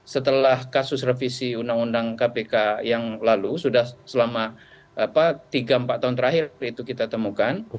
setelah kasus revisi undang undang kpk yang lalu sudah selama tiga empat tahun terakhir itu kita temukan